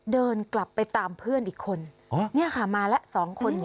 เดินกลับไปตามเพื่อนอีกคนเนี่ยค่ะมาแล้วสองคน